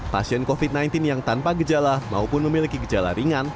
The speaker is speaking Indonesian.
pasien covid sembilan belas yang tanpa gejala maupun memiliki gejala ringan